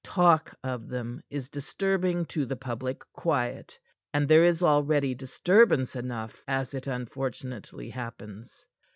Talk of them is disturbing to the public quiet, and there is already disturbance enough, as it unfortunately happens.